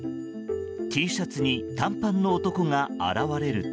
Ｔシャツに短パンの男が現れると。